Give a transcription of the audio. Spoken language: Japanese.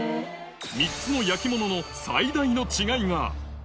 ３つの焼き物の最大の違いが。